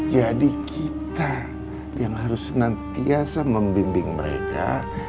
jadi kita yang harus senantiasa membimbing mereka